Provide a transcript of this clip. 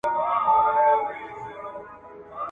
تر ابده پر تا نوم د ښکار حرام دی !.